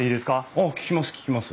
ああ聞きます聞きます。